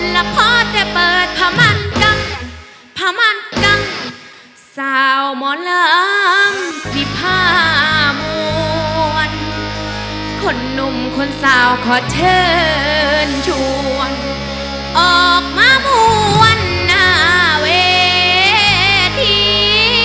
แล้วพอจะเปิดพมันกังพมันกังสาวหมอลำวิพามวลคนหนุ่มคนสาวขอเชิญชวนออกมามวลหน้าเวที